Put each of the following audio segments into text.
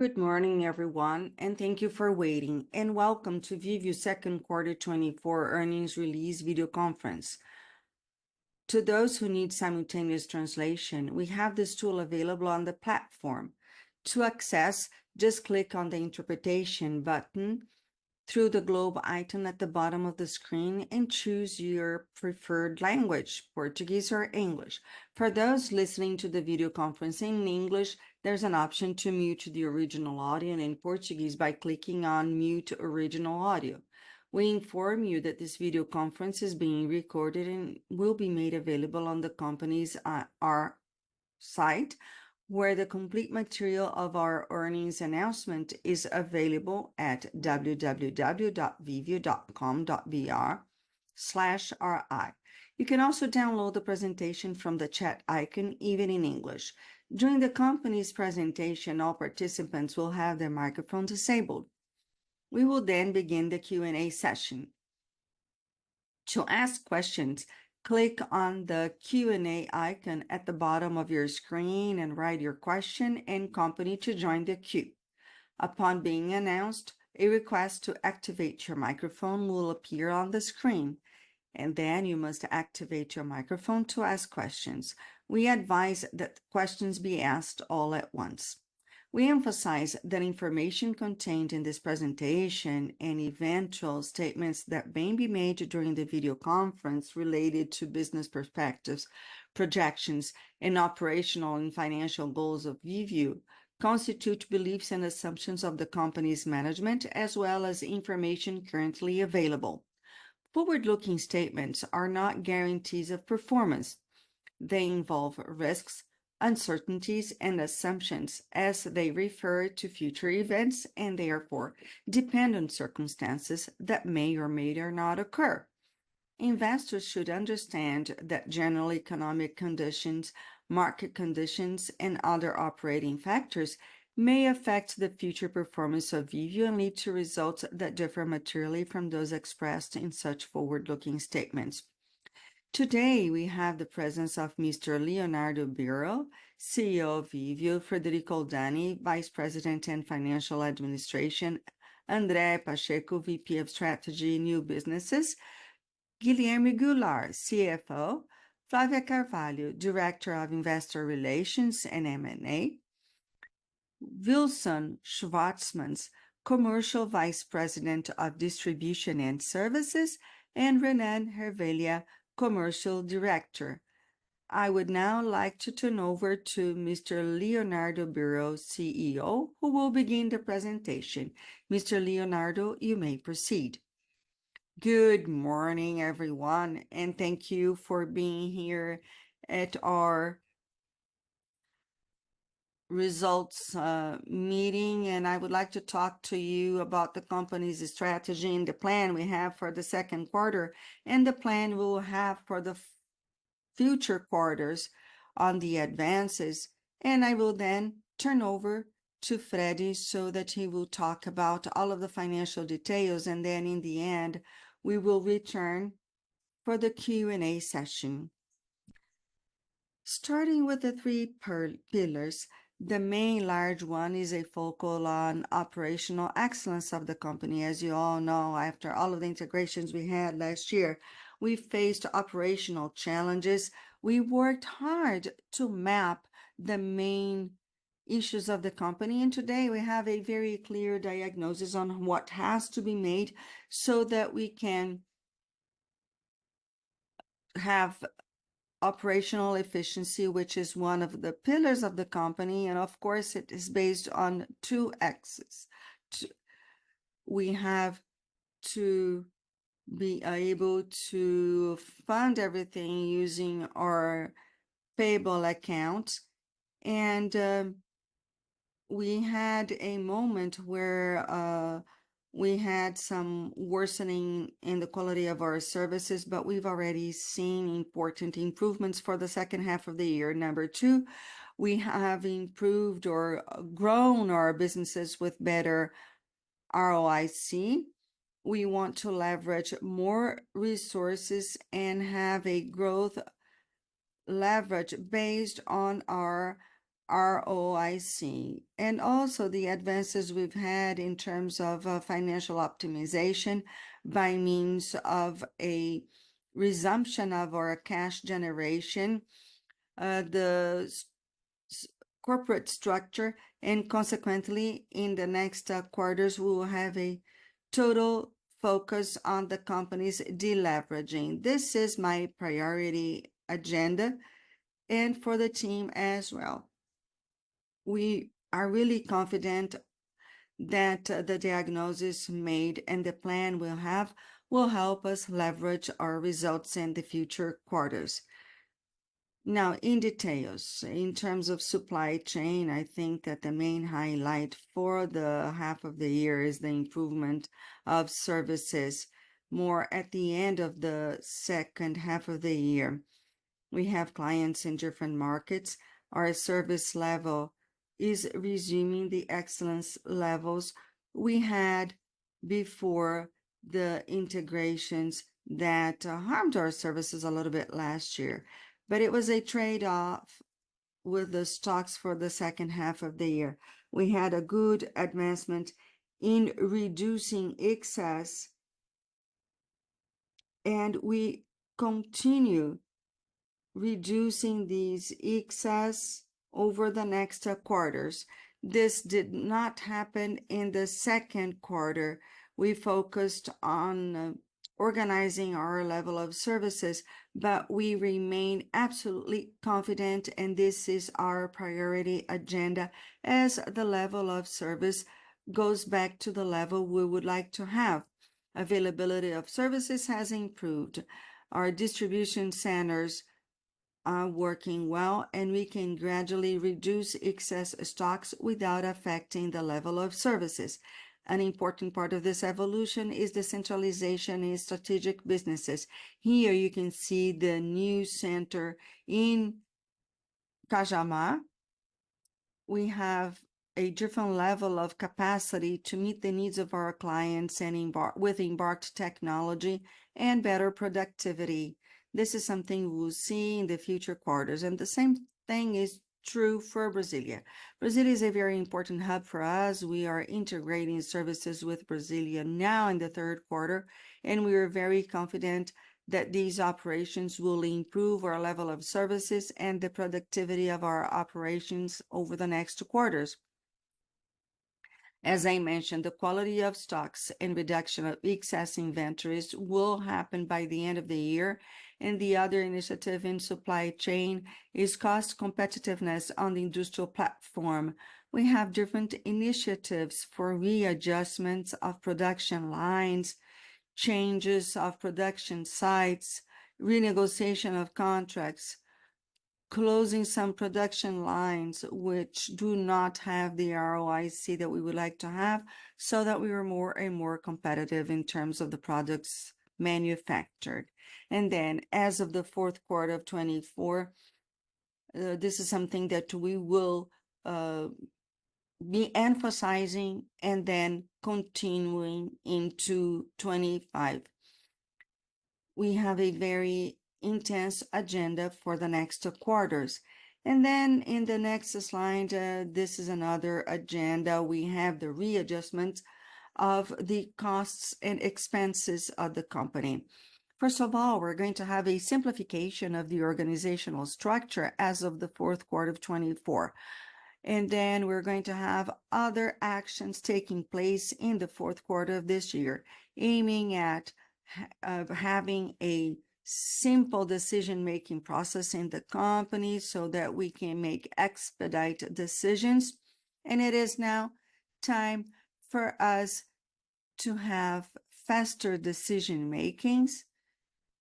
Good morning, everyone, and thank you for waiting, and Welcome to Viveo's second quarter 2024 earnings release video conference. To those who need simultaneous translation, we have this tool available on the platform. To access, just click on the Interpretation button through the globe item at the bottom of the screen and choose your preferred language, Portuguese or English. For those listening to the video conference in English, there's an option to mute the original audio in Portuguese by clicking on Mute Original Audio. We inform you that this video conference is being recorded and will be made available on the company's, our site, where the complete material of our earnings announcement is available at www.viveo.com.br/ri. You can also download the presentation from the chat icon, even in English. During the company's presentation, all participants will have their microphone disabled. We will then begin the Q&A session. To ask questions, click on the Q&A icon at the bottom of your screen and write your question and company to join the queue. Upon being announced, a request to activate your microphone will appear on the screen, and then you must activate your microphone to ask questions. We advise that questions be asked all at once. We emphasize that information contained in this presentation and eventual statements that may be made during the video conference related to business perspectives, projections, and operational and financial goals of Viveo constitute beliefs and assumptions of the company's management, as well as information currently available. Forward-looking statements are not guarantees of performance. They involve risks, uncertainties, and assumptions as they refer to future events, and therefore, depend on circumstances that may or may not occur. Investors should understand that general economic conditions, market conditions, and other operating factors may affect the future performance of Viveo and lead to results that differ materially from those expressed in such forward-looking statements. Today, we have the presence of Mr. Leonardo Byrro, CEO of Viveo; Frederico Oldani, Vice President and Financial Administration; André Pacheco, VP of Strategy and New Businesses; Guilherme Goulart, CFO; Flávia Carvalho, Director of Investor Relations and M&A; Vilson Schvartzman, Commercial Vice President of Distribution and Services; and Renan Hervelha, Commercial Director. I would now like to turn over to Mr. Leonardo Byrro, CEO, who will begin the presentation. Mr. Leonardo, you may proceed. Good morning, everyone, and thank you for being here at our results meeting. I would like to talk to you about the company's strategy and the plan we have for the second quarter, and the plan we'll have for the future quarters on the advances. I will then turn over to Fred, so that he will talk about all of the financial details, and then in the end, we will return for the Q&A session. Starting with the three pillars, the main large one is a focus on operational excellence of the company. As you all know, after all of the integrations we had last year, we faced operational challenges. We worked hard to map the main issues of the company, and today we have a very clear diagnosis on what has to be made so that we can have operational efficiency, which is one of the pillars of the company, and of course, it is based on two axes. We have to be able to fund everything using our payable accounts, and we had a moment where we had some worsening in the quality of our services, but we've already seen important improvements for the second half of the year. Number two, we have improved or grown our businesses with better ROIC. We want to leverage more resources and have a growth leverage based on our ROIC, and also the advances we've had in terms of financial optimization by means of a resumption of our cash generation, the strong corporate structure, and consequently, in the next quarters, we will have a total focus on the company's deleveraging. This is my priority agenda and for the team as well. We are really confident that the diagnosis made and the plan we'll have will help us leverage our results in the future quarters. Now, in details, in terms of supply chain, I think that the main highlight for the half of the year is the improvement of services. More at the end of the second half of the year, we have clients in different markets. Our service level is resuming the excellence levels we had before the integrations that harmed our services a little bit last year. But it was a trade-off with the stocks for the second half of the year. We had a good advancement in reducing excess, and we continue reducing these excess over the next quarters. This did not happen in the second quarter. We focused on organizing our level of services, but we remain absolutely confident, and this is our priority agenda as the level of service goes back to the level we would like to have. Availability of services has improved. Our distribution centers are working well, and we can gradually reduce excess stocks without affecting the level of services. An important part of this evolution is the centralization in strategic businesses. Here you can see the new center in Cajamar. We have a different level of capacity to meet the needs of our clients and with embarked technology and better productivity. This is something we'll see in the future quarters, and the same thing is true for Brasília. Brasília is a very important hub for us. We are integrating services with Brasília now in the third quarter, and we are very confident that these operations will improve our level of services and the productivity of our operations over the next quarters. As I mentioned, the quality of stocks and reduction of excess inventories will happen by the end of the year, and the other initiative in supply chain is cost competitiveness on the industrial platform. We have different initiatives for readjustments of production lines, changes of production sites, renegotiation of contracts, closing some production lines which do not have the ROIC that we would like to have, so that we are more and more competitive in terms of the products manufactured. And then, as of the fourth quarter of 2024, this is something that we will, be emphasizing and then continuing into 2025. We have a very intense agenda for the next quarters. And then in the next slide, this is another agenda. We have the readjustment of the costs and expenses of the company. First of all, we're going to have a simplification of the organizational structure as of the fourth quarter of 2024, and then we're going to have other actions taking place in the fourth quarter of this year, aiming at having a simple decision-making process in the company so that we can make expedite decisions. And it is now time for us to have faster decision-makings,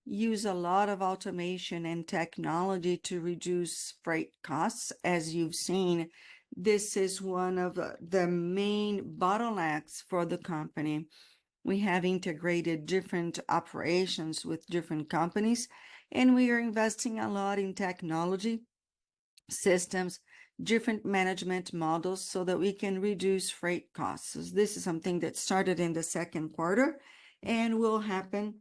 use a lot of automation and technology to reduce freight costs. As you've seen, this is one of the main bottlenecks for the company. We have integrated different operations with different companies, and we are investing a lot in technology systems, different management models, so that we can reduce freight costs. This is something that started in the second quarter and will happen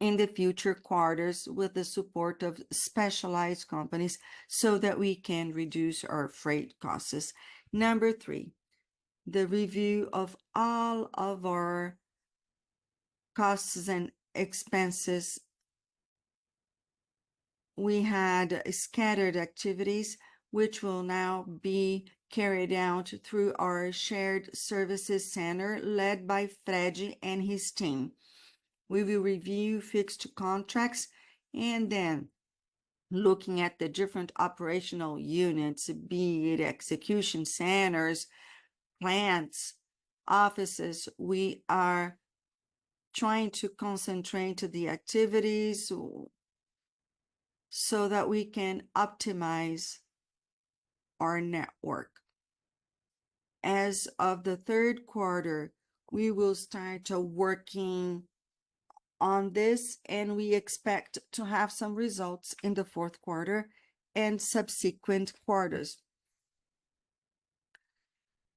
in the future quarters with the support of specialized companies, so that we can reduce our freight costs. Number three, the review of all of our costs and expenses. We had scattered activities, which will now be carried out through our shared services center, led by Fred and his team. We will review fixed contracts, and then looking at the different operational units, be it execution centers, plants, offices, we are trying to concentrate the activities, so that we can optimize our network. As of the third quarter, we will start working on this, and we expect to have some results in the fourth quarter and subsequent quarters.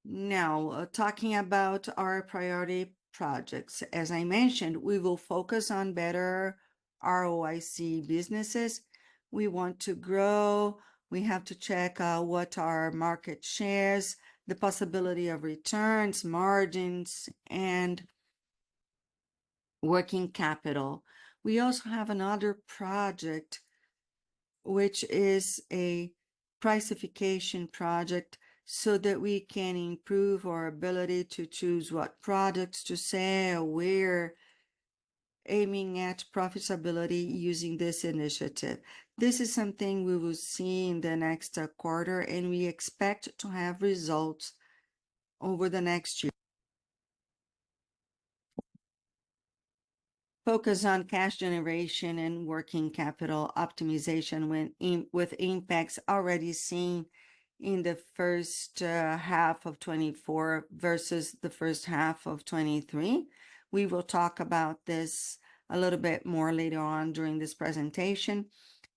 Now, talking about our priority projects. As I mentioned, we will focus on better ROIC businesses. We want to grow. We have to check what our market shares, the possibility of returns, margins, and working capital. We also have another project, which is a pricing project, so that we can improve our ability to choose what products to sell. We're aiming at profitability using this initiative. This is something we will see in the next quarter, and we expect to have results over the next year. Focus on cash generation and working capital optimization with impacts already seen in the first half of 2024 versus the first half of 2023. We will talk about this a little bit more later on during this presentation.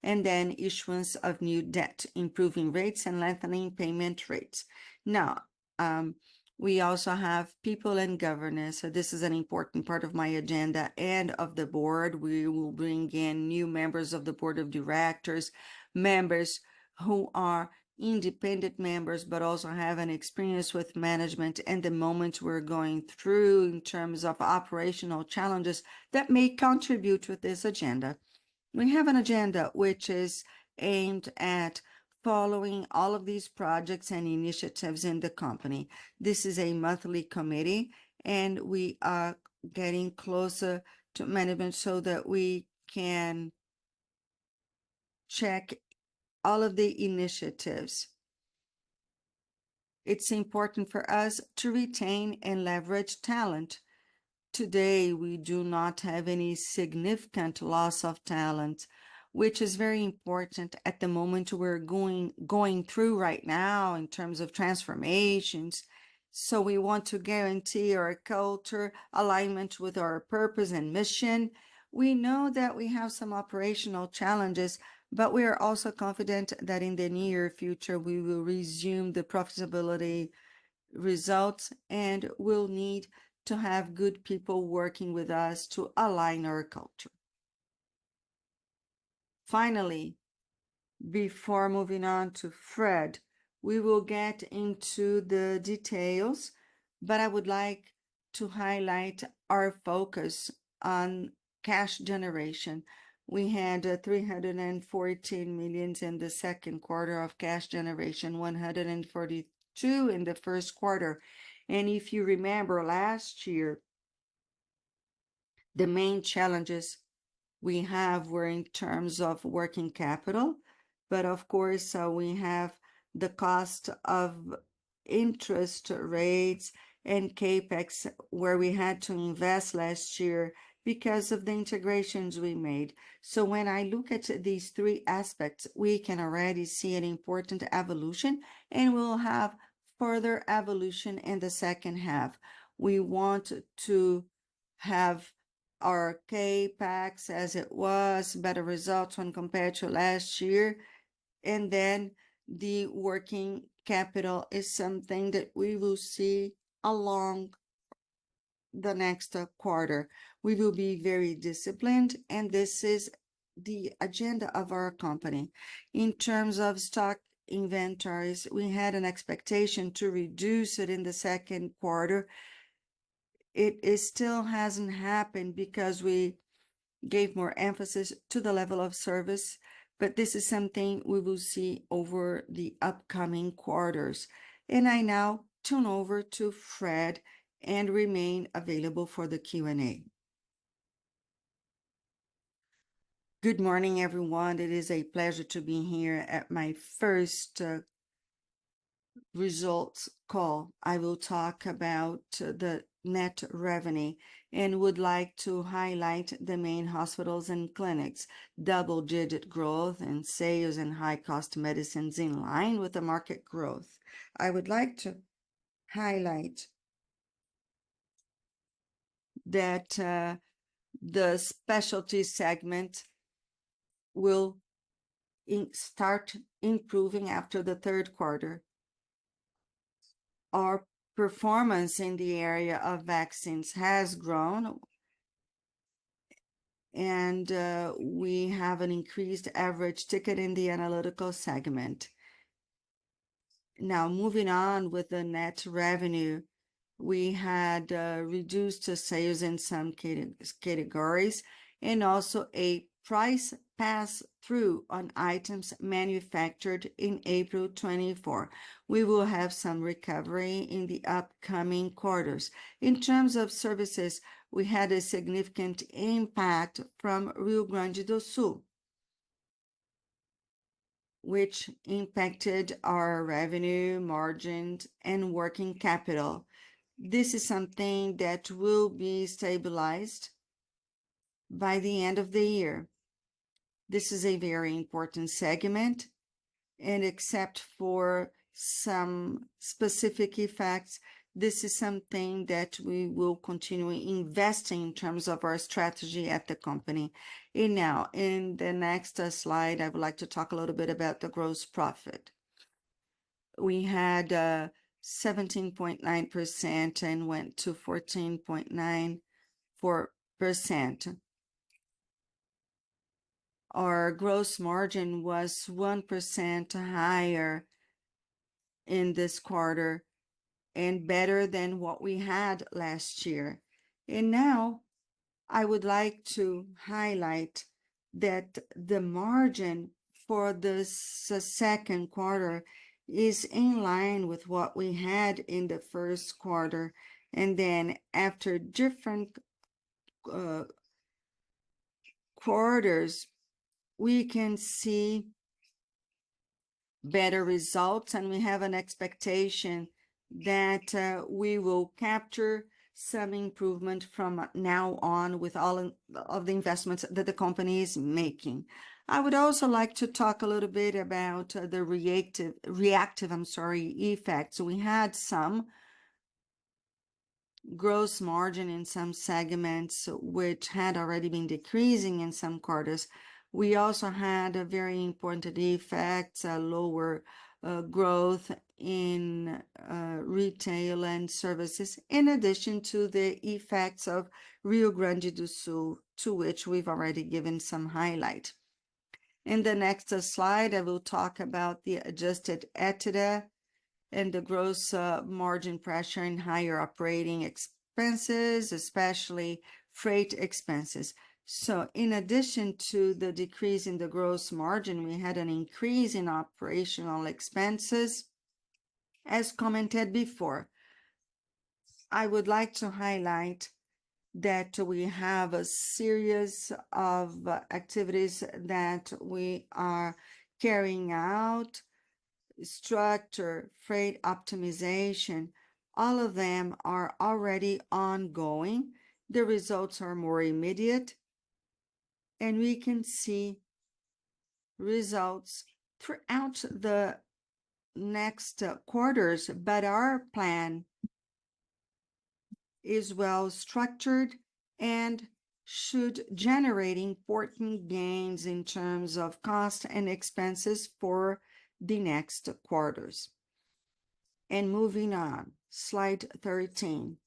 And then issuance of new debt, improving rates, and lengthening payment rates. Now we also have people and governance. So this is an important part of my agenda and of the board. We will bring in new members of the board of directors, members who are independent members, but also have an experience with management and the moments we're going through in terms of operational challenges that may contribute to this agenda. We have an agenda which is aimed at following all of these projects and initiatives in the company. This is a monthly committee, and we are getting closer to management so that we can check all of the initiatives. It's important for us to retain and leverage talent. Today, we do not have any significant loss of talent, which is very important at the moment we're going through right now in terms of transformations. So we want to guarantee our culture alignment with our purpose and mission. We know that we have some operational challenges, but we are also confident that in the near future, we will resume the profitability results, and we'll need to have good people working with us to align our culture. Finally, before moving on to Fred, we will get into the details, but I would like to highlight our focus on cash generation. We had 314 million in the second quarter of cash generation, 142 million in the first quarter. And if you remember last year, the main challenges we have were in terms of working capital, but of course, we have the cost of interest rates and CapEx, where we had to invest last year because of the integrations we made. So when I look at these three aspects, we can already see an important evolution, and we'll have further evolution in the second half. We want to have our CapEx as it was, better results when compared to last year, and then the working capital is something that we will see along the next quarter. We will be very disciplined, and this is the agenda of our company. In terms of stock inventories, we had an expectation to reduce it in the second quarter. It still hasn't happened because we gave more emphasis to the level of service, but this is something we will see over the upcoming quarters. I now turn over to Fred and remain available for the Q&A. Good morning, everyone. It is a pleasure to be here at my first results call. I will talk about the net revenue, and would like to highlight the main hospitals and clinics, double-digit growth, and sales in high-cost medicines in line with the market growth. I would like to highlight that the specialty segment will start improving after the third quarter. Our performance in the area of vaccines has grown, and we have an increased average ticket in the analytical segment. Now, moving on with the net revenue, we had reduced sales in some categories, and also a price pass-through on items manufactured in April 2024. We will have some recovery in the upcoming quarters. In terms of services, we had a significant impact from Rio Grande do Sul, which impacted our revenue, margins, and working capital. This is something that will be stabilized by the end of the year. This is a very important segment, and except for some specific effects, this is something that we will continue investing in terms of our strategy at the company. And now, in the next slide, I would like to talk a little bit about the gross profit. We had 17.9% and went to 14.94%. Our gross margin was 1% higher in this quarter and better than what we had last year. And now, I would like to highlight that the margin for the second quarter is in line with what we had in the first quarter, and then after different quarters, we can see better results, and we have an expectation that we will capture some improvement from now on, with all of the investments that the company is making. I would also like to talk a little bit about the reactive effects. We had gross margin in some segments, which had already been decreasing in some quarters. We also had a very important effect, lower growth in retail and services, in addition to the effects of Rio Grande do Sul, to which we've already given some highlight. In the next slide, I will talk about the Adjusted EBITDA and the gross margin pressure and higher operating expenses, especially freight expenses. So in addition to the decrease in the gross margin, we had an increase in operational expenses, as commented before. I would like to highlight that we have a series of activities that we are carrying out: structure, freight optimization. All of them are already ongoing. The results are more immediate, and we can see results throughout the next quarters. But our plan is well structured and should generate important gains in terms of cost and expenses for the next quarters. Moving on, slide 13,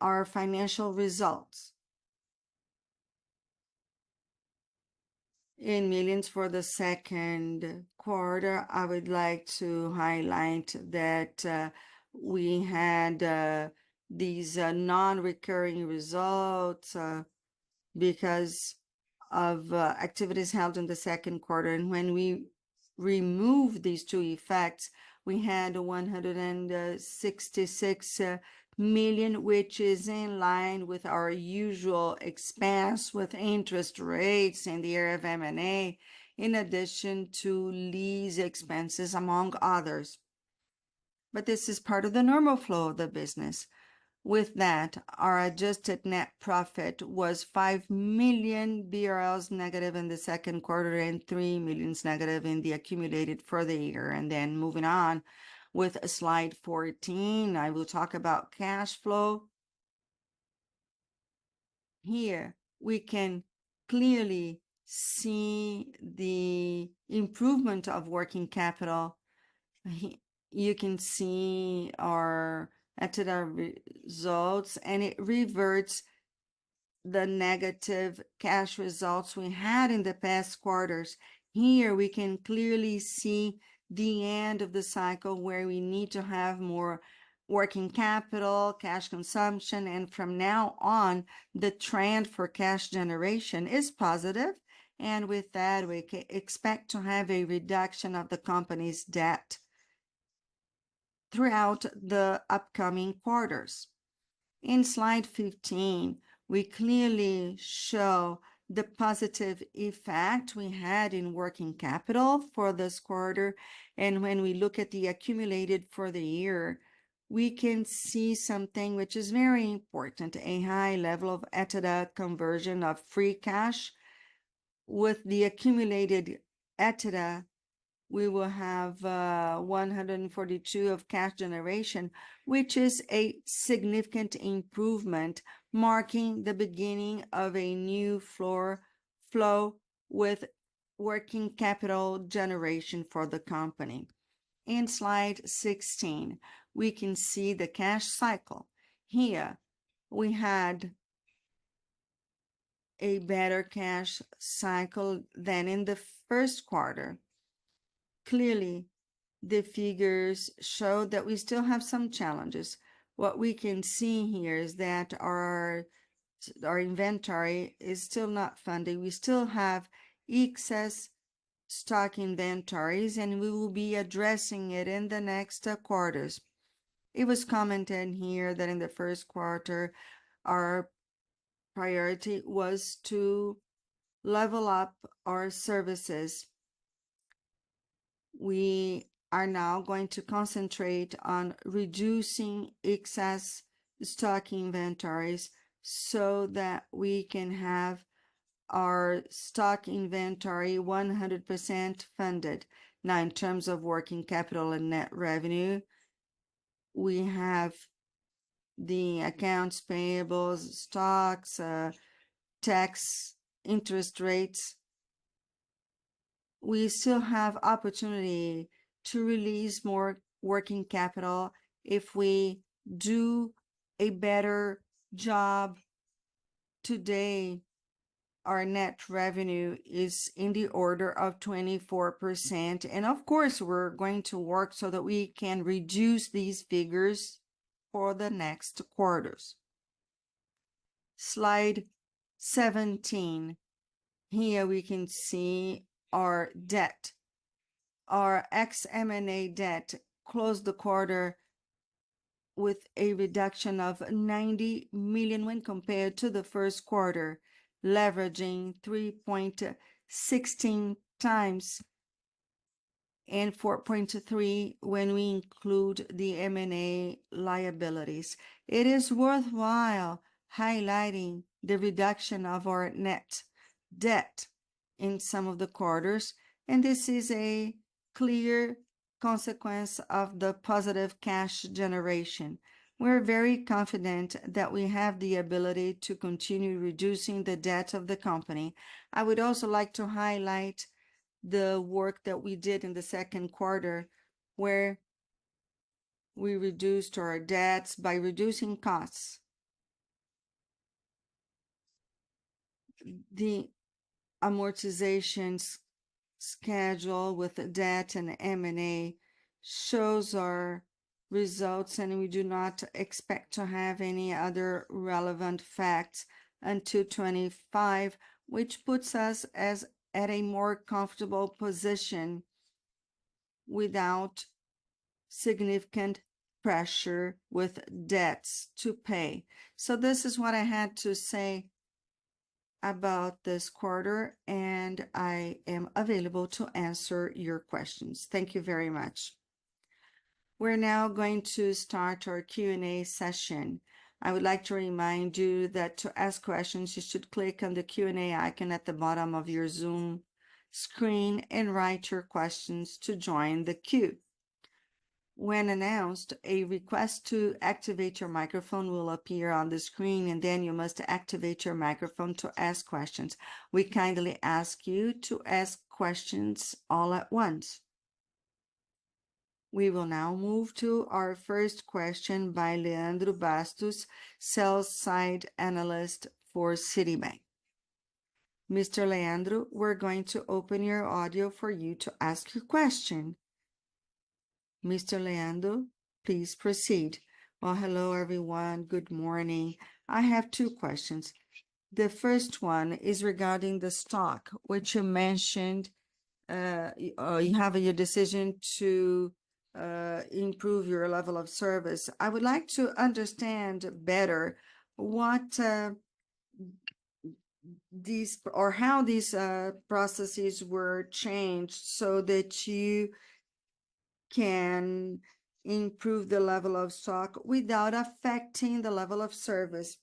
our financial results. In millions for the second quarter, I would like to highlight that we had these non-recurring results because of activities held in the second quarter. When we removed these two effects, we had 166 million, which is in line with our usual expense, with interest rates in the area of M&A, in addition to lease expenses, among others. But this is part of the normal flow of the business. With that, our adjusted net profit was 5 million BRL negative in the second quarter, and 3 million negative in the accumulated for the year. Then moving on with slide 14, I will talk about cash flow. Here, we can clearly see the improvement of working capital. Here, you can see our EBITDA results, and it reverts the negative cash results we had in the past quarters. Here, we can clearly see the end of the cycle, where we need to have more working capital, cash consumption, and from now on, the trend for cash generation is positive. With that, we expect to have a reduction of the company's debt throughout the upcoming quarters. In slide 15, we clearly show the positive effect we had in working capital for this quarter. When we look at the accumulated for the year, we can see something which is very important, a high level of EBITDA conversion of free cash. With the accumulated EBITDA, we will have 142 million of cash generation, which is a significant improvement, marking the beginning of a new flow with working capital generation for the company. In slide 16, we can see the cash cycle. Here, we had a better cash cycle than in the first quarter. Clearly, the figures show that we still have some challenges. What we can see here is that our, our inventory is still not funded. We still have excess stock inventories, and we will be addressing it in the next quarters. It was commented here that in the first quarter, our priority was to level up our services. We are now going to concentrate on reducing excess stock inventories so that we can have our stock inventory 100% funded. Now, in terms of working capital and net revenue, we have the accounts payables, stocks, tax, interest rates. We still have opportunity to release more working capital if we do a better job. Today, our net revenue is in the order of 24%, and of course, we're going to work so that we can reduce these figures for the next quarters. Slide 17. Here, we can see our debt. Our net M&A debt closed the quarter with a reduction of 90 million when compared to the first quarter, leveraging 3.16x, and 4.3x when we include the M&A liabilities. It is worthwhile highlighting the reduction of our net debt in some of the quarters, and this is a clear consequence of the positive cash generation. We're very confident that we have the ability to continue reducing the debt of the company. I would also like to highlight the work that we did in the second quarter, where we reduced our debts by reducing costs. The amortization schedule with debt and M&A shows our results, and we do not expect to have any other relevant facts until 2025, which puts us in a more comfortable position without significant pressure with debts to pay. So this is what I had to say about this quarter, and I am available to answer your questions. Thank you very much. We're now going to start our Q&A session. I would like to remind you that to ask questions, you should click on the Q&A icon at the bottom of your Zoom screen and write your questions to join the queue. When announced, a request to activate your microphone will appear on the screen, and then you must activate your microphone to ask questions. We kindly ask you to ask questions all at once. We will now move to our first question by Leandro Bastos, sell-side analyst for Citibank. Mr. Leandro, we're going to open your audio for you to ask your question. Mr. Leandro, please proceed. Well, hello, everyone. Good morning. I have two questions. The first one is regarding the stock, which you mentioned, you have your decision to improve your level of service. I would like to understand better what these or how these processes were changed so that you can improve the level of stock without affecting the level of service,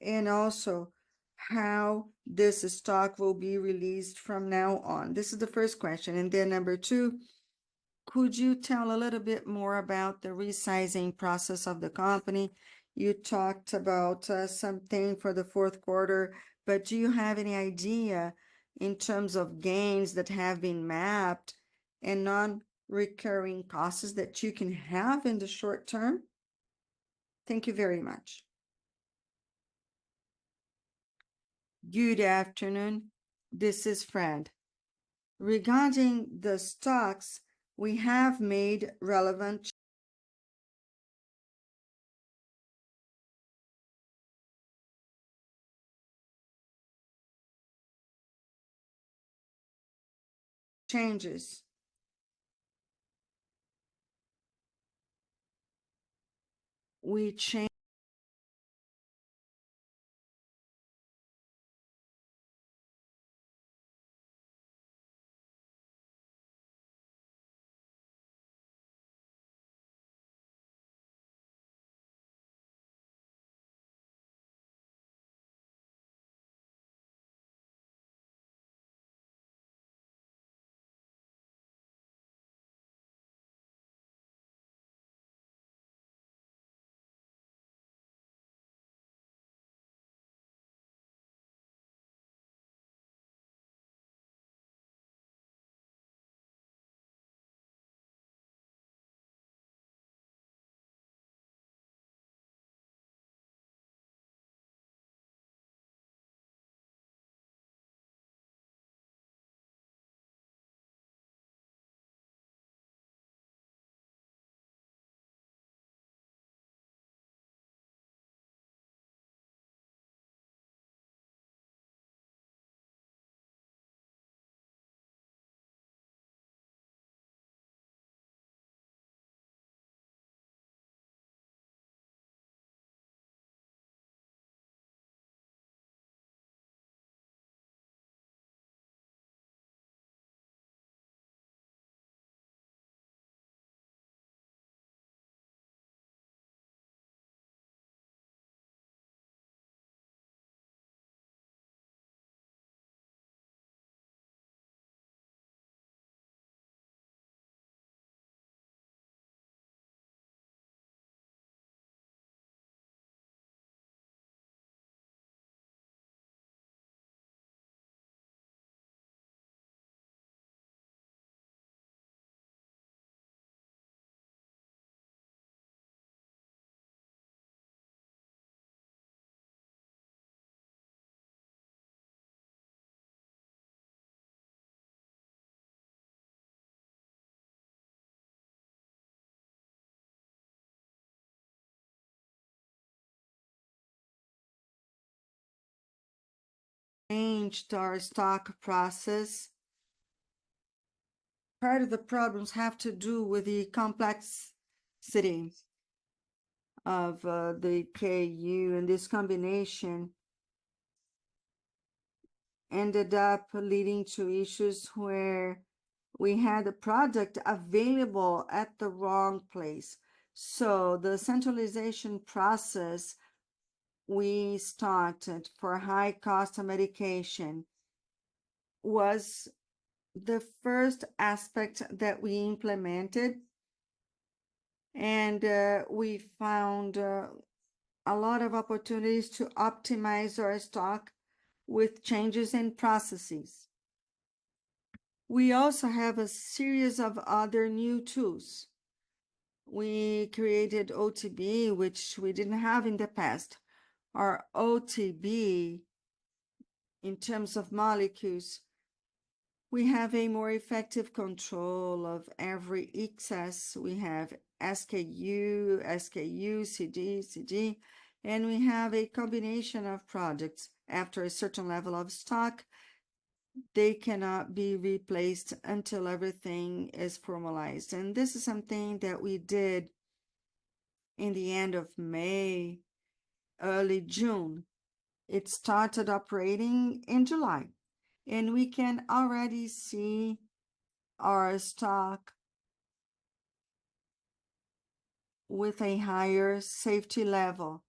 and also how this stock will be released from now on. This is the first question. And then number two, could you tell a little bit more about the resizing process of the company? You talked about something for the fourth quarter, but do you have any idea in terms of gains that have been mapped and non-recurring costs that you can have in the short term? Thank you very much. Good afternoon. This is Fred. Regarding the stocks, we have made relevant changes. We changed our stock process. Part of the problems have to do with the complex settings of the SKU, and this combination ended up leading to issues where we had a product available at the wrong place. So the centralization process we started for high-cost medicines was the first aspect that we implemented, and we found a lot of opportunities to optimize our stock with changes in processes. We also have a series of other new tools. We created OTB, which we didn't have in the past. Our OTB, in terms of molecules, we have a more effective control of every excess. We have SKU, SKU, DC, DC, and we have a combination of products. After a certain level of stock, they cannot be replaced until everything is formalized, and this is something that we did in the end of May, early June. It started operating in July, and we can already see our stock with a higher safety level.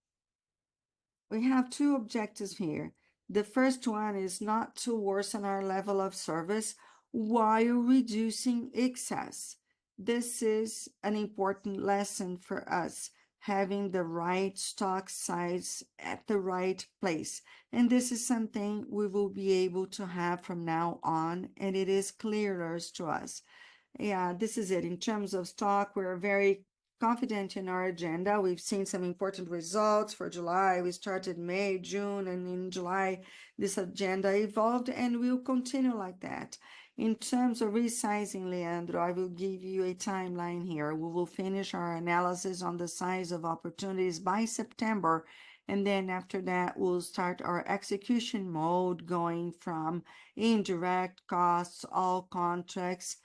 We have two objectives here. The first one is not to worsen our level of service while reducing excess. This is an important lesson for us, having the right stock size at the right place, and this is something we will be able to have from now on, and it is clearer to us. Yeah, this is it. In terms of stock, we're very confident in our agenda. We've seen some important results for July. We started May, June, and in July, this agenda evolved and will continue like that. In terms of resizing, Leandro, I will give you a timeline here. We will finish our analysis on the size of opportunities by September, and then after that, we'll start our execution mode, going from indirect costs, all contracts,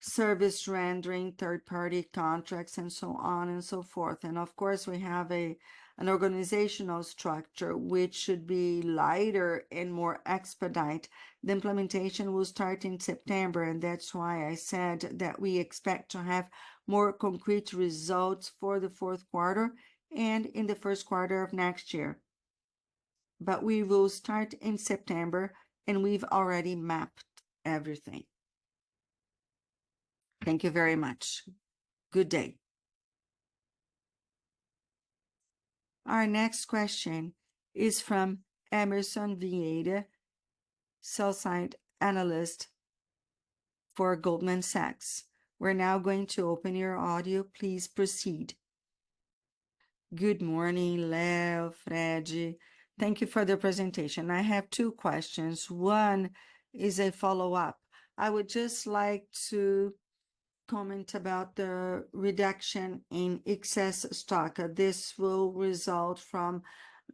service rendering, third-party contracts, and so on and so forth. Of course, we have a, an organizational structure which should be lighter and more expedite. The implementation will start in September, and that's why I said that we expect to have more concrete results for the fourth quarter and in the first quarter of next year. But we will start in September, and we've already mapped everything. Thank you very much. Good day. Our next question is from Emerson Vieira, sell-side analyst for Goldman Sachs. We're now going to open your audio. Please proceed. Good morning, Leo, Fred. Thank you for the presentation. I have two questions. One is a follow-up. I would just like to comment about the reduction in excess stock. This will result from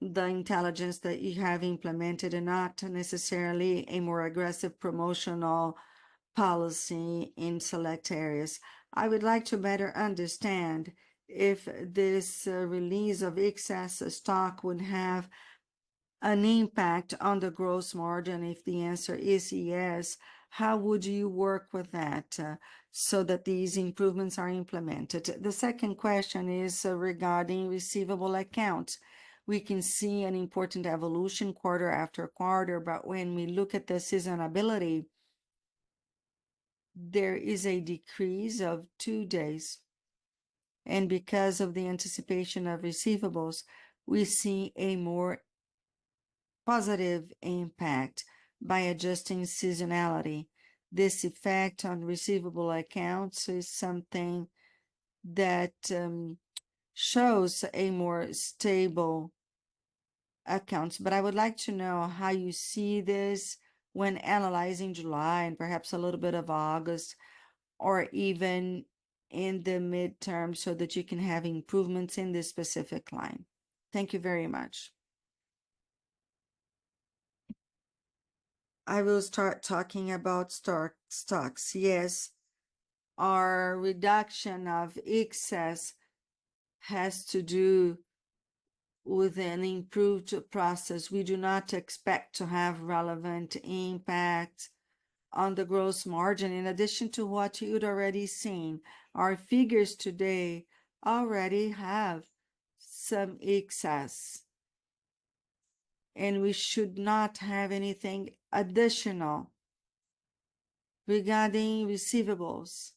the intelligence that you have implemented and not necessarily a more aggressive promotional policy in select areas. I would like to better understand if this, release of excess stock would have an impact on the gross margin. If the answer is yes, how would you work with that, so that these improvements are implemented? The second question is regarding receivable accounts. We can see an important evolution quarter after quarter, but when we look at the seasonality, there is a decrease of two days, and because of the anticipation of receivables, we see a more positive impact by adjusting seasonality. This effect on receivable accounts is something that, shows a more stable accounts. But I would like to know how you see this when analyzing July and perhaps a little bit of August, or even in the midterm, so that you can have improvements in this specific line. Thank you very much. I will start talking about stock, stocks. Yes, our reduction of excess has to do with an improved process. We do not expect to have relevant impact on the gross margin. In addition to what you'd already seen, our figures today already have some excess, and we should not have anything additional. Regarding receivables,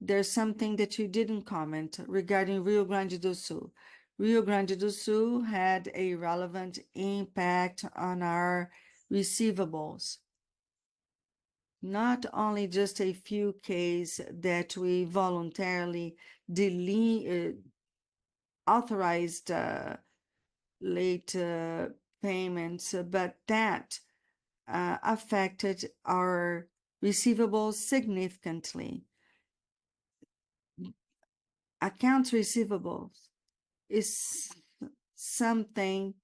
there's something that you didn't comment regarding Rio Grande do Sul. Rio Grande do Sul had a relevant impact on our receivables, not only just a few cases that we voluntarily authorized late payments, but that affected our receivables significantly. Accounts receivables is something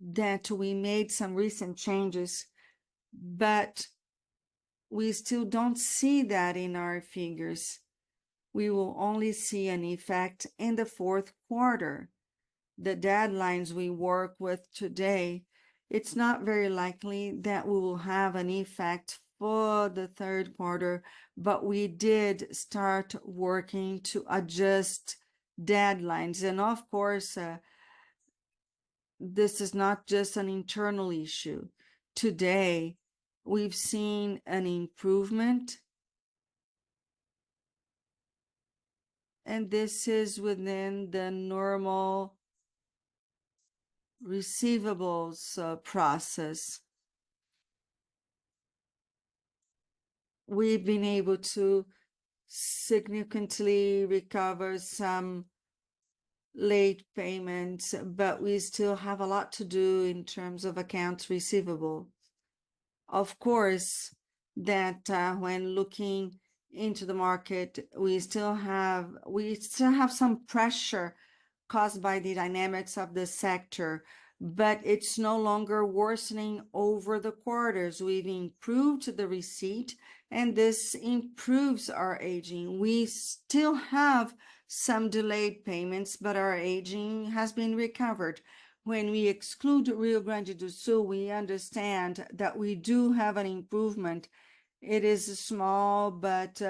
that we made some recent changes, but we still don't see that in our figures. We will only see an effect in the fourth quarter... the deadlines we work with today, it's not very likely that we will have an effect for the third quarter, but we did start working to adjust deadlines. And of course, this is not just an internal issue. Today, we've seen an improvement, and this is within the normal receivables, process. We've been able to significantly recover some late payments, but we still have a lot to do in terms of accounts receivable. Of course, that, when looking into the market, we still have, we still have some pressure caused by the dynamics of this sector, but it's no longer worsening over the quarters. We've improved the receipt, and this improves our aging. We still have some delayed payments, but our aging has been recovered. When we exclude Rio Grande do Sul, we understand that we do have an improvement. It is small, but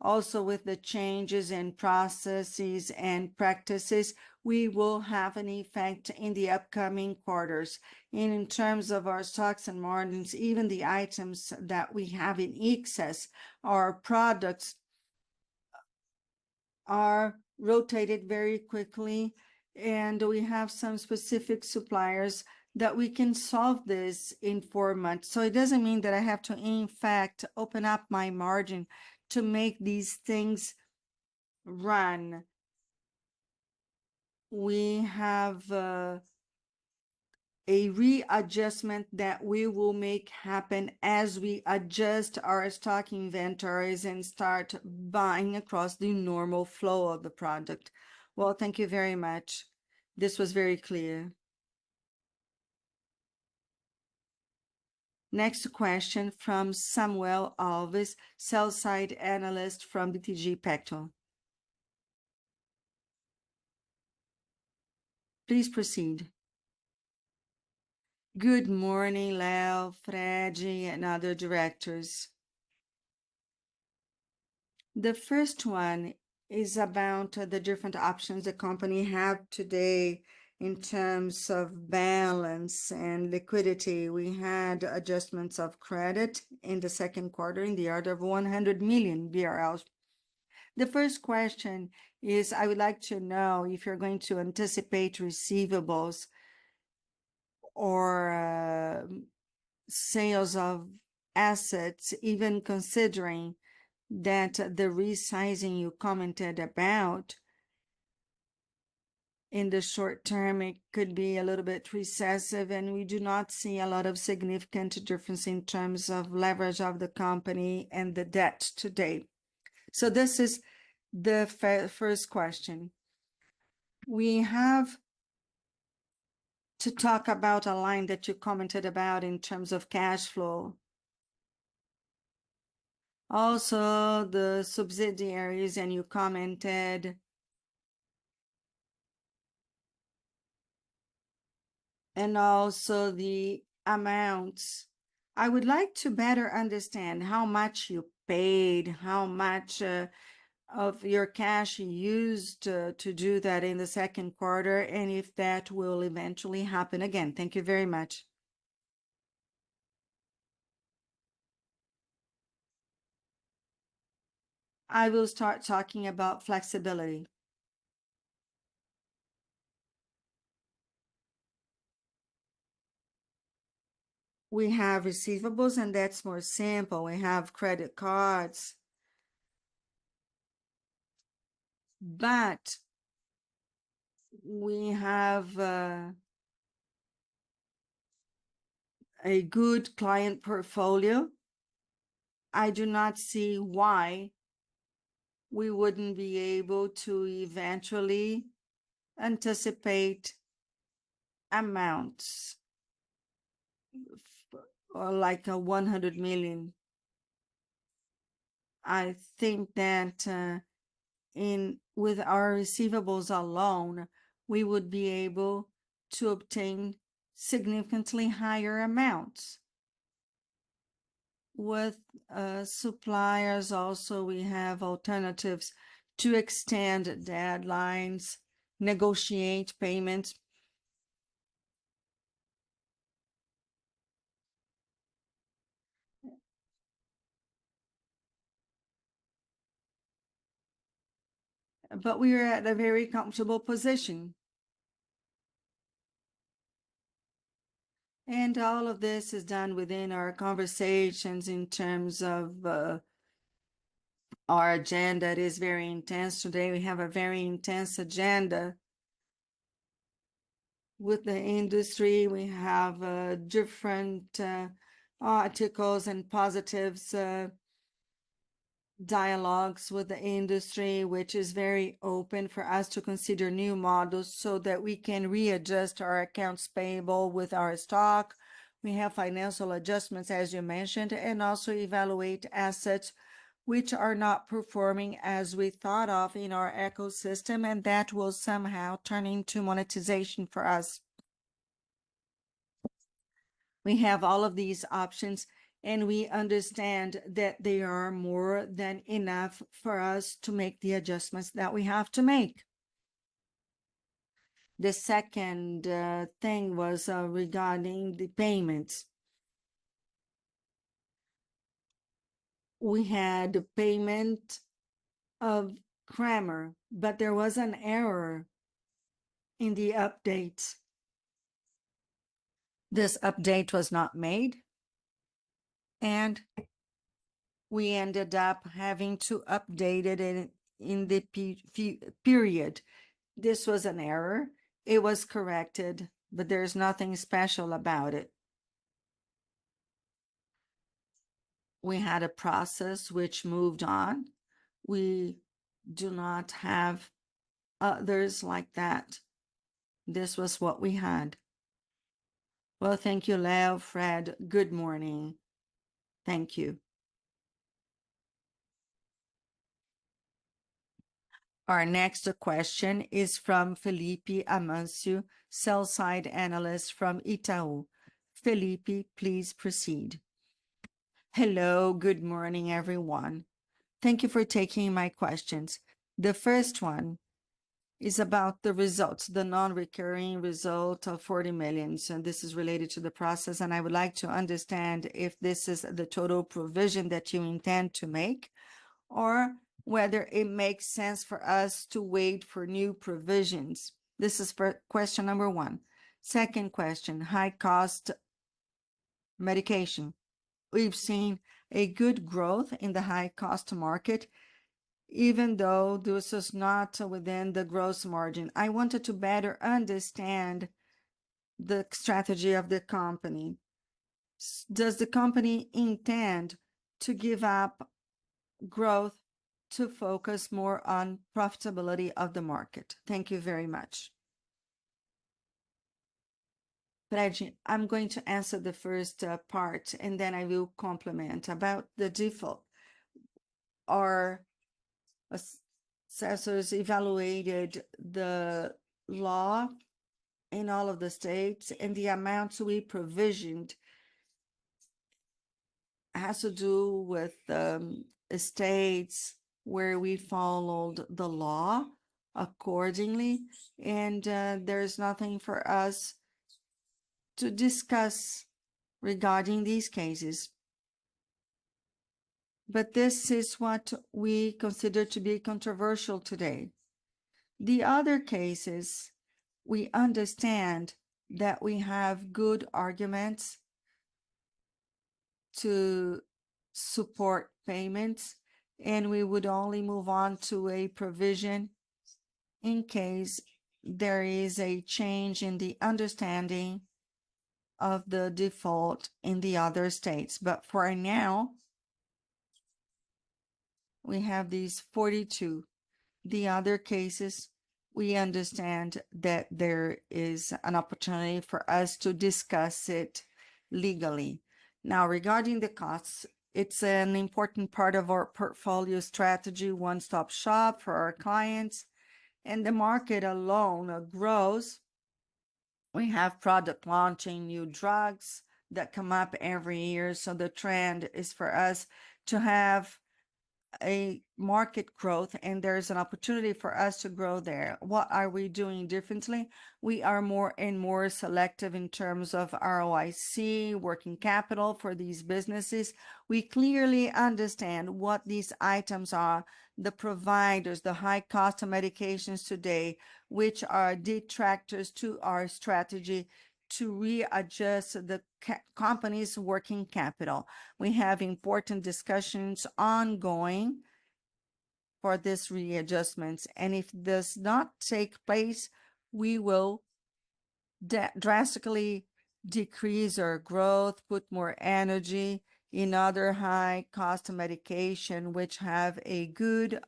also with the changes in processes and practices, we will have an effect in the upcoming quarters. And in terms of our stocks and margins, even the items that we have in excess, our products are rotated very quickly, and we have some specific suppliers that we can solve this in four months. So it doesn't mean that I have to, in fact, open up my margin to make these things run. We have a readjustment that we will make happen as we adjust our stock inventories and start buying across the normal flow of the product. Well, thank you very much. This was very clear. Next question from Samuel Alves, sell-side analyst from BTG Pactual. Please proceed. Good morning, Leo, Fred, and other directors. The first one is about the different options the company have today in terms of balance and liquidity. We had adjustments of credit in the second quarter in the order of 100 million BRL. The first question is, I would like to know if you're going to anticipate receivables or, sales of assets, even considering that the resizing you commented about in the short term, it could be a little bit recessive, and we do not see a lot of significant difference in terms of leverage of the company and the debt to date. So this is the first question. We have to talk about a line that you commented about in terms of cash flow. Also, the subsidiaries, and you commented... and also the amounts. I would like to better understand how much you paid, how much, of your cash you used, to do that in the second quarter, and if that will eventually happen again. Thank you very much. I will start talking about flexibility. We have receivables, and that's more simple. We have credit cards, but we have, a good client portfolio. I do not see why we wouldn't be able to eventually anticipate amounts or like BRL 100 million. I think that, with our receivables alone, we would be able to obtain significantly higher amounts. With, suppliers also, we have alternatives to extend deadlines, negotiate payments. But we are at a very comfortable position. And all of this is done within our conversations in terms of, our agenda. It is very intense today. We have a very intense agenda with the industry. We have different articles and positive dialogues with the industry, which is very open for us to consider new models so that we can readjust our accounts payable with our stock. We have financial adjustments, as you mentioned, and also evaluate assets which are not performing as we thought of in our ecosystem, and that will somehow turn into monetization for us.... We have all of these options, and we understand that they are more than enough for us to make the adjustments that we have to make. The second thing was regarding the payments. We had payment of Cremer, but there was an error in the update. This update was not made, and we ended up having to update it in the period. This was an error. It was corrected, but there's nothing special about it. We had a process which moved on. We do not have others like that. This was what we had. Well, thank you, Leo, Fred. Good morning. Thank you. Our next question is from Felipe Amancio, sell-side analyst from Itaú. Felipe, please proceed. Hello, good morning, everyone. Thank you for taking my questions. The first one is about the results, the non-recurring result of 40 million, and this is related to the process, and I would like to understand if this is the total provision that you intend to make, or whether it makes sense for us to wait for new provisions. This is for question number one. Second question, high-cost medication. We've seen a good growth in the high-cost market, even though this is not within the gross margin. I wanted to better understand the strategy of the company. Does the company intend to give up growth to focus more on profitability of the market? Thank you very much. Fred, I'm going to answer the first part, and then I will complement. About the default, our assessors evaluated the law in all of the states, and the amounts we provisioned has to do with the states where we followed the law accordingly, and there's nothing for us to discuss regarding these cases. But this is what we consider to be controversial today. The other cases, we understand that we have good arguments to support payments, and we would only move on to a provision in case there is a change in the understanding of the default in the other states. But for now, we have these 42. The other cases, we understand that there is an opportunity for us to discuss it legally. Now, regarding the costs, it's an important part of our portfolio strategy, one-stop shop for our clients, and the market alone grows. We have product launching, new drugs that come up every year, so the trend is for us to have a market growth, and there's an opportunity for us to grow there. What are we doing differently? We are more and more selective in terms of ROIC, working capital for these businesses. We clearly understand what these items are, the providers, the high cost of medications today, which are detractors to our strategy to readjust the company's working capital. We have important discussions ongoing for this readjustments, and if this not take place, we will drastically decrease our growth, put more energy in other high cost of medication, which have a good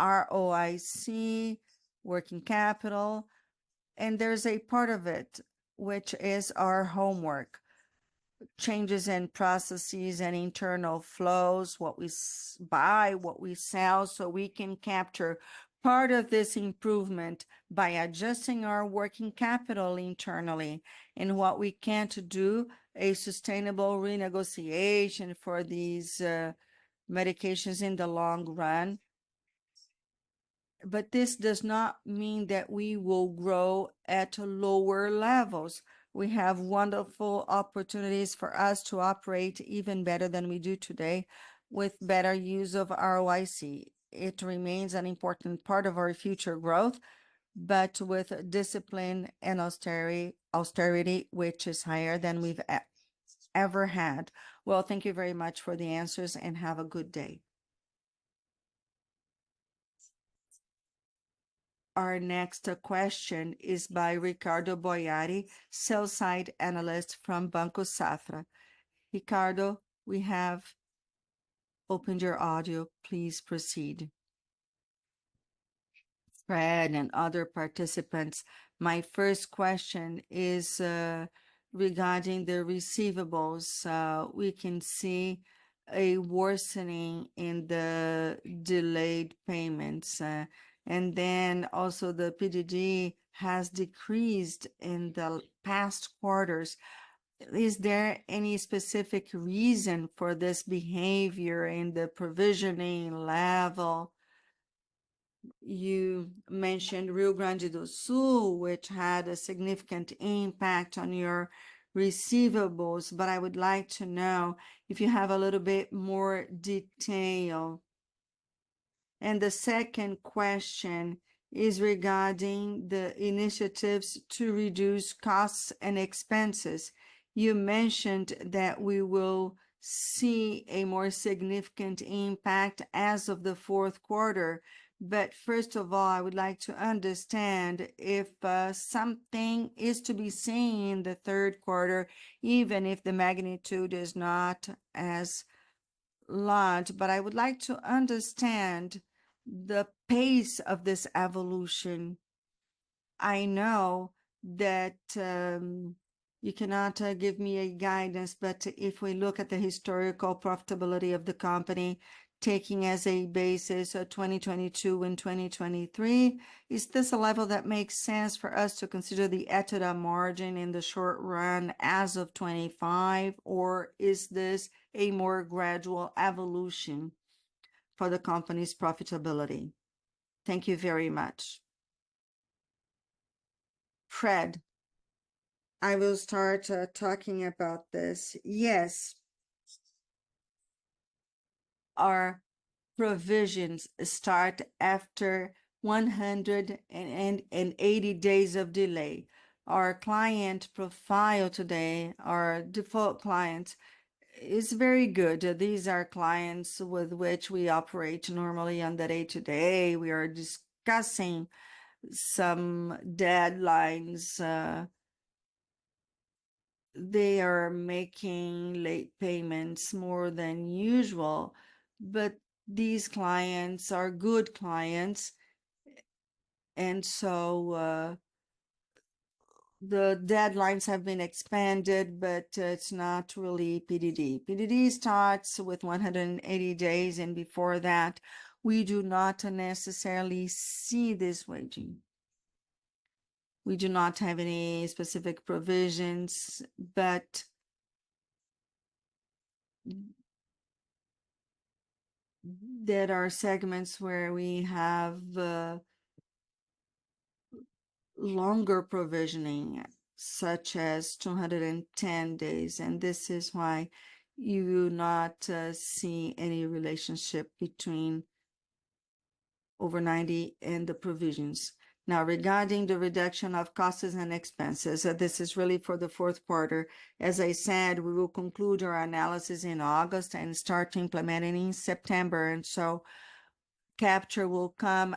ROIC working capital. And there's a part of it, which is our homework. Changes in processes and internal flows, what we buy, what we sell, so we can capture part of this improvement by adjusting our working capital internally and what we can do to a sustainable renegotiation for these medications in the long run. But this does not mean that we will grow at lower levels. We have wonderful opportunities for us to operate even better than we do today, with better use of ROIC. It remains an important part of our future growth, but with discipline and austerity, which is higher than we've ever had. Well, thank you very much for the answers and have a good day. Our next question is by Ricardo Boiati, sell-side analyst from Banco Safra. Ricardo, we have opened your audio. Please proceed. Fred and other participants, my first question is regarding the receivables. We can see a worsening in the delayed payments, and then also the PDD has decreased in the past quarters. Is there any specific reason for this behavior in the provisioning level? You mentioned Rio Grande do Sul, which had a significant impact on your receivables, but I would like to know if you have a little bit more detail. The second question is regarding the initiatives to reduce costs and expenses. You mentioned that we will see a more significant impact as of the fourth quarter, but first of all, I would like to understand if something is to be seen in the third quarter, even if the magnitude is not as large. I would like to understand the pace of this evolution. I know that, you cannot, give me a guidance, but if we look at the historical profitability of the company, taking as a basis, 2022 and 2023, is this a level that makes sense for us to consider the EBITDA margin in the short run as of 2025? Or is this a more gradual evolution for the company's profitability? Thank you very much. Fred, I will start, talking about this. Yes, our provisions start after 180 days of delay. Our client profile today, our default client, is very good. These are clients with which we operate normally on the day-to-day. We are discussing some deadlines. They are making late payments more than usual, but these clients are good clients, and so, the deadlines have been expanded, but, it's not really PDD. PDD starts with 180 days, and before that, we do not necessarily see this waiting. We do not have any specific provisions, but there are segments where we have longer provisioning, such as 210 days, and this is why you will not see any relationship between over 90 days and the provisions. Now, regarding the reduction of costs and expenses, this is really for the fourth quarter. As I said, we will conclude our analysis in August and start implementing in September, and so capture will come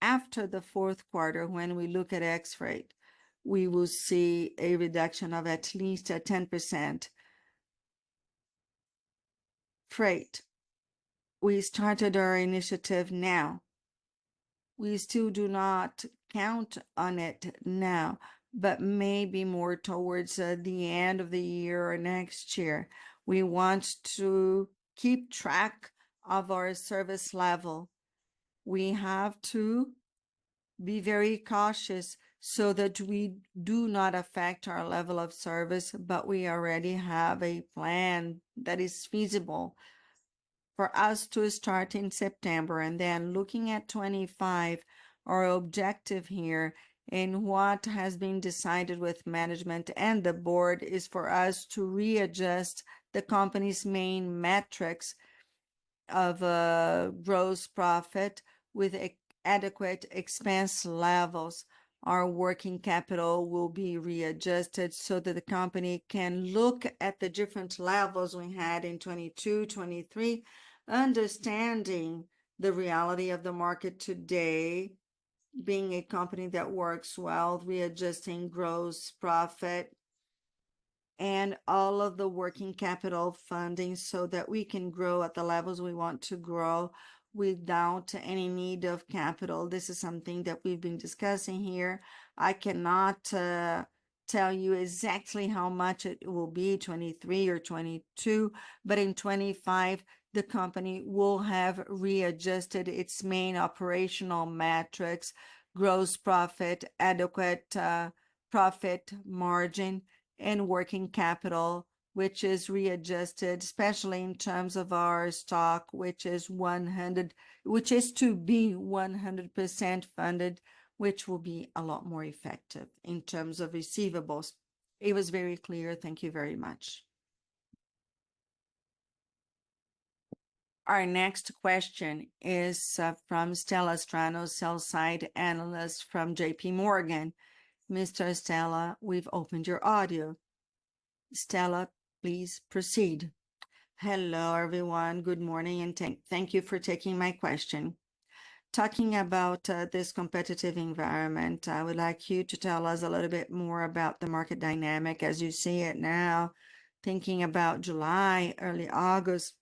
after the fourth quarter. When we look at SG&A rate, we will see a reduction of at least 10%. Freight, we started our initiative now. We still do not count on it now, but maybe more towards the end of the year or next year. We want to keep track of our service level. We have to be very cautious so that we do not affect our level of service, but we already have a plan that is feasible for us to start in September. And then looking at 2025, our objective here, and what has been decided with management and the board, is for us to readjust the company's main metrics of gross profit with adequate expense levels. Our working capital will be readjusted so that the company can look at the different levels we had in 2022, 2023, understanding the reality of the market today, being a company that works well, readjusting gross profit and all of the working capital funding, so that we can grow at the levels we want to grow without any need of capital. This is something that we've been discussing here. I cannot tell you exactly how much it will be, 2023 or 2022, but in 2025, the company will have readjusted its main operational metrics, gross profit, adequate profit margin, and working capital, which is readjusted, especially in terms of our stock, which is to be 100% funded, which will be a lot more effective in terms of receivables. It was very clear. Thank you very much. Our next question is from Estela Strano, sell-side analyst from JPMorgan. Ms. Estela, we've opened your audio. Estela, please proceed. Hello, everyone. Good morning, and thank you for taking my question. Talking about this competitive environment, I would like you to tell us a little bit more about the market dynamic as you see it now, thinking about July, early August.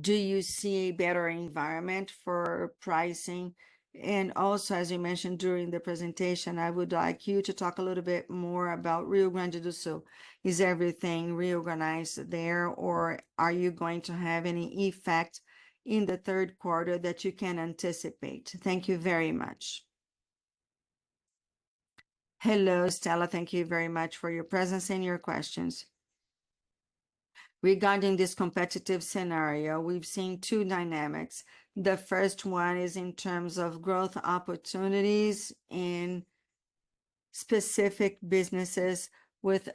Do you see a better environment for pricing? And also, as you mentioned during the presentation, I would like you to talk a little bit more about Rio Grande do Sul. Is everything reorganized there, or are you going to have any effect in the third quarter that you can anticipate? Thank you very much. Hello, Estela. Thank you very much for your presence and your questions. Regarding this competitive scenario, we've seen two dynamics. The first one is in terms of growth opportunities in specific businesses with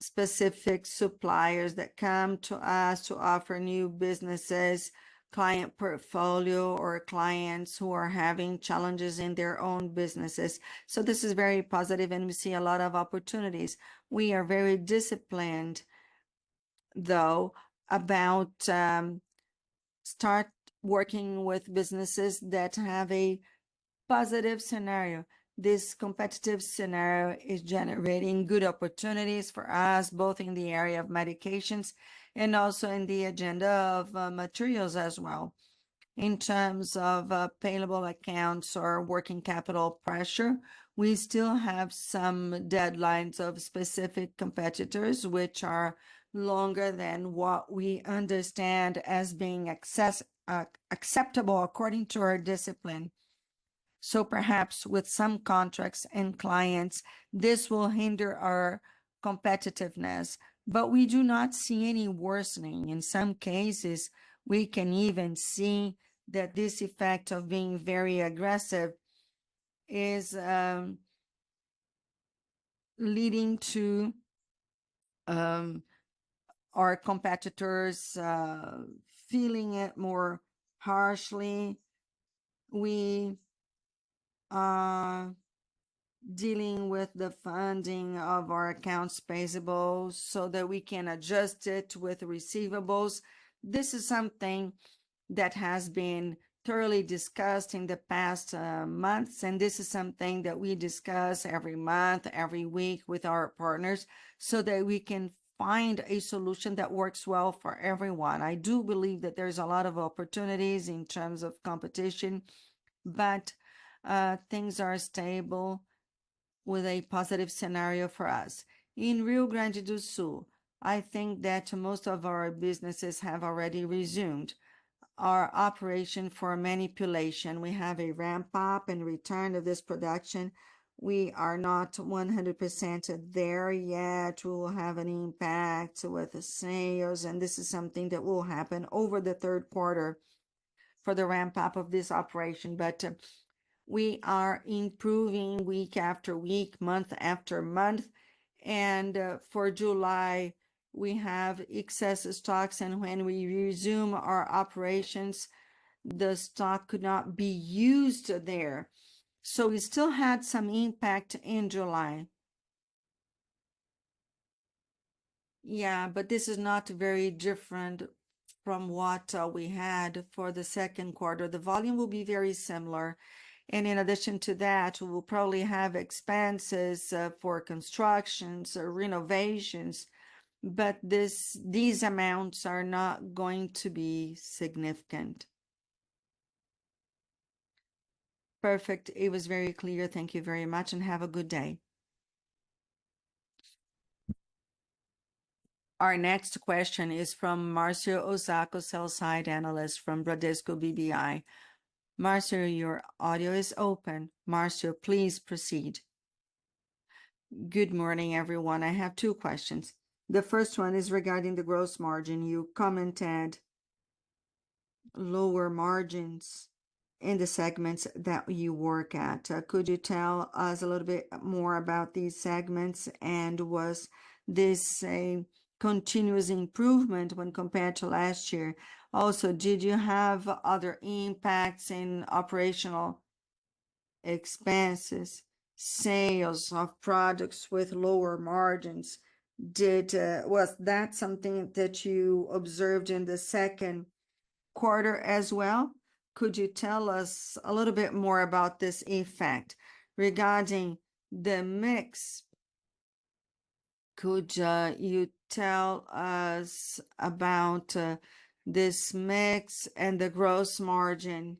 specific suppliers that come to us to offer new businesses, client portfolio, or clients who are having challenges in their own businesses. So this is very positive, and we see a lot of opportunities. We are very disciplined, though, about, start working with businesses that have a positive scenario. This competitive scenario is generating good opportunities for us, both in the area of medications and also in the agenda of materials as well. In terms of payable accounts or working capital pressure, we still have some deadlines of specific competitors, which are longer than what we understand as being acceptable according to our discipline. So perhaps with some contracts and clients, this will hinder our competitiveness, but we do not see any worsening. In some cases, we can even see that this effect of being very aggressive is leading to our competitors feeling it more harshly. We are dealing with the funding of our accounts payables so that we can adjust it with receivables. This is something that has been thoroughly discussed in the past months, and this is something that we discuss every month, every week with our partners, so that we can find a solution that works well for everyone. I do believe that there's a lot of opportunities in terms of competition, but things are stable with a positive scenario for us. In Rio Grande do Sul, I think that most of our businesses have already resumed our operation for manipulation. We have a ramp-up and return of this production. We are not 100% there yet. We will have an impact with the sales, and this is something that will happen over the third quarter for the ramp-up of this operation. But, we are improving week after week, month after month, and, for July, we have excess stocks, and when we resume our operations, the stock could not be used there. So we still had some impact in July. Yeah, but this is not very different from what, we had for the second quarter. The volume will be very similar, and in addition to that, we will probably have expenses, for constructions or renovations, but this—these amounts are not going to be significant. Perfect. It was very clear. Thank you very much, and have a good day. Our next question is from Marcio Osako, sell-side analyst from Bradesco BBI. Marcio, your audio is open. Marcio, please proceed. Good morning, everyone. I have two questions. The first one is regarding the gross margin. You commented lower margins in the segments that you work at. Could you tell us a little bit more about these segments, and was this a continuous improvement when compared to last year? Also, did you have other impacts in operational expenses, sales of products with lower margins? Was that something that you observed in the second quarter as well? Could you tell us a little bit more about this effect? Regarding the mix, could you tell us about this mix and the gross margin?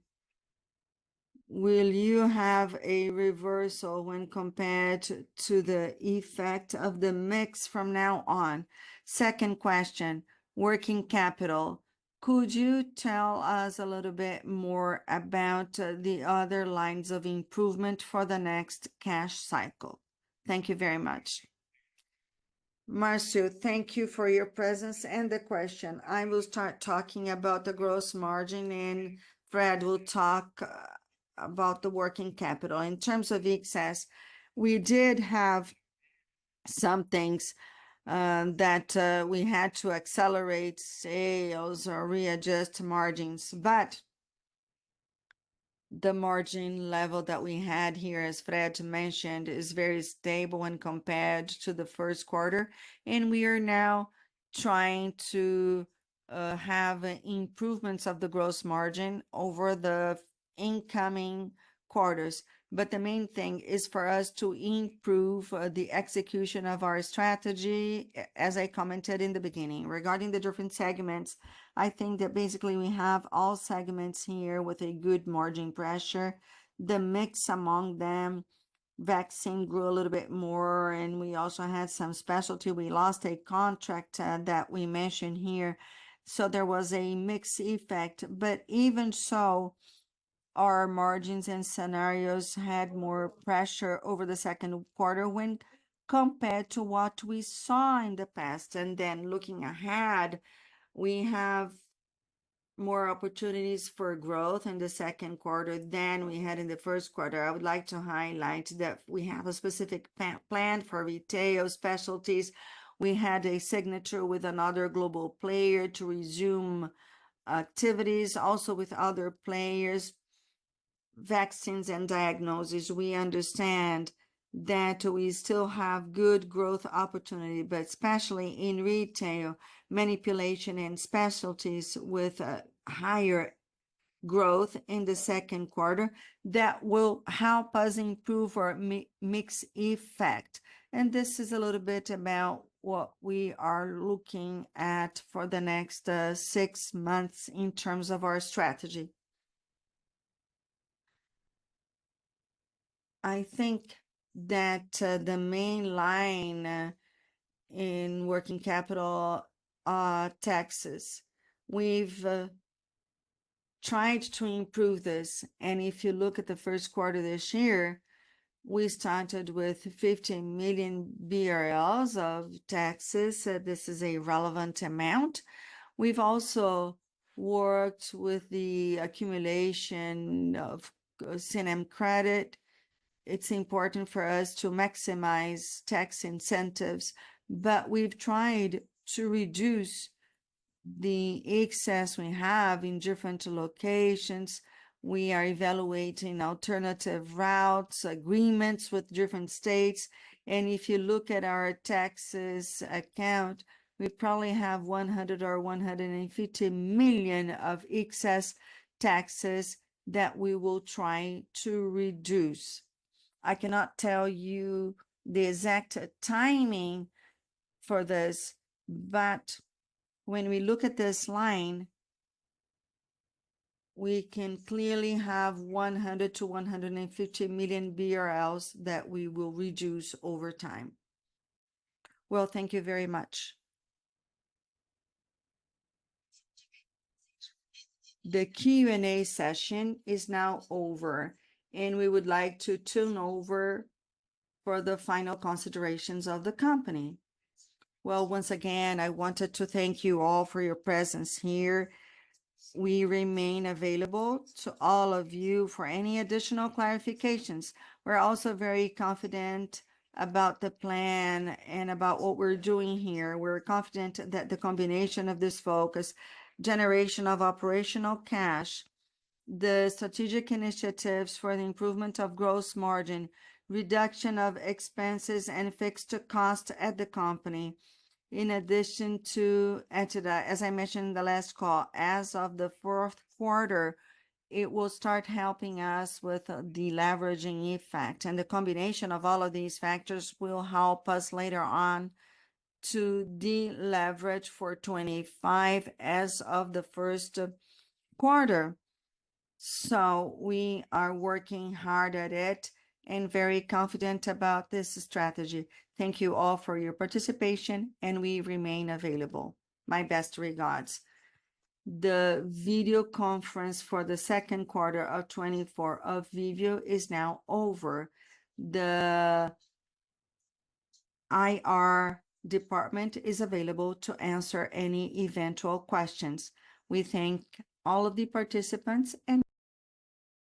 Will you have a reversal when compared to the effect of the mix from now on? Second question, working capital. Could you tell us a little bit more about the other lines of improvement for the next cash cycle? Thank you very much. Marcio, thank you for your presence and the question. I will start talking about the gross margin, and Fred will talk about the working capital. In terms of excess, we did have some things that we had to accelerate sales or readjust margins, but the margin level that we had here, as Fred mentioned, is very stable when compared to the first quarter, and we are now trying to have improvements of the gross margin over the incoming quarters. But the main thing is for us to improve the execution of our strategy, as I commented in the beginning. Regarding the different segments, I think that basically we have all segments here with a good margin pressure. The mix among them, vaccine grew a little bit more, and we also had some specialty. We lost a contract that we mentioned here, so there was a mix effect. But even so, our margins and scenarios had more pressure over the second quarter when compared to what we saw in the past. And then looking ahead, we have more opportunities for growth in the second quarter than we had in the first quarter. I would like to highlight that we have a specific plan for retail specialties. We had a signature with another global player to resume activities, also with other players, vaccines, and diagnoses. We understand that we still have good growth opportunity, but especially in retail, manipulation, and specialties with a higher growth in the second quarter, that will help us improve our mix effect. And this is a little bit about what we are looking at for the next six months in terms of our strategy. I think that, the main line, in working capital, taxes, we've tried to improve this, and if you look at the first quarter this year, we started with 15 million BRL of taxes. This is a relevant amount. We've also worked with the accumulation of ICMS credit. It's important for us to maximize tax incentives, but we've tried to reduce the excess we have in different locations. We are evaluating alternative routes, agreements with different states, and if you look at our taxes account, we probably have 100 million or 150 million of excess taxes that we will try to reduce. I cannot tell you the exact timing for this, but when we look at this line, we can clearly have 100 million-150 million BRL that we will reduce over time. Well, thank you very much. The Q&A session is now over, and we would like to turn over for the final considerations of the company. Well, once again, I wanted to thank you all for your presence here. We remain available to all of you for any additional clarifications. We're also very confident about the plan and about what we're doing here. We're confident that the combination of this focus, generation of operational cash, the strategic initiatives for the improvement of gross margin, reduction of expenses and fixed costs at the company, in addition to add to that, as I mentioned in the last call, as of the fourth quarter, it will start helping us with a deleveraging effect. And the combination of all of these factors will help us later on to deleverage for 2025 as of the first quarter. So we are working hard at it and very confident about this strategy. Thank you all for your participation, and we remain available. My best regards. The video conference for the second quarter of 2024 of Viveo is now over. The IR department is available to answer any eventual questions. We thank all of the participants and-